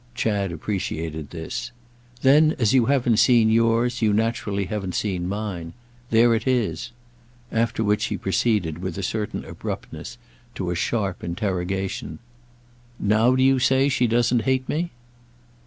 Chad appreciated this. "Then as you haven't seen yours you naturally haven't seen mine. There it is." After which he proceeded, with a certain abruptness, to a sharp interrogation. "Now do you say she doesn't hate me?"